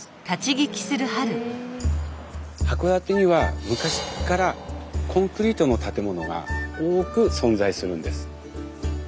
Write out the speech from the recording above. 函館には昔っからコンクリートの建物が多く存在するんです。